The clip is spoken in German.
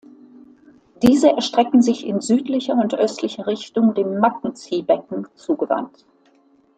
Diese erstrecken sich in südlicher und östlicher Richtung dem Mackenzie-Becken zugewandt.